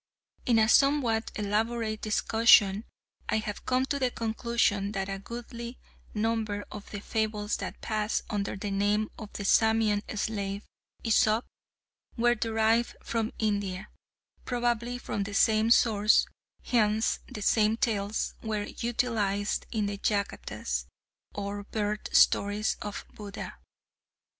In a somewhat elaborate discussion I have come to the conclusion that a goodly number of the fables that pass under the name of the Samian slave, Æsop, were derived from India, probably from the same source whence the same tales were utilised in the Jatakas, or Birth stories of Buddha.